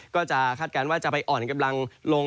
คาดการณ์ว่าจะไปอ่อนกำลังลง